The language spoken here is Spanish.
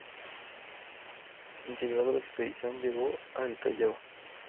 Integrado a la expedición, llegó a El Callao.